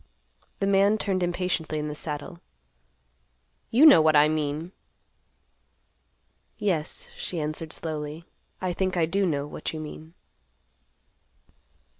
The man turned impatiently in the saddle, "You know what I mean." "Yes," she answered slowly. "I think I do know what you mean."